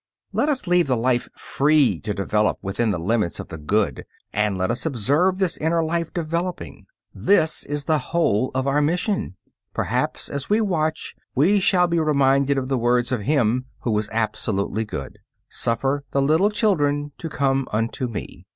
Let us leave the life free to develop within the limits of the good, and let us observe this inner life developing. This is the whole of our mission. Perhaps as we watch we shall be reminded of the words of Him who was absolutely good, "Suffer the little children to come unto Me."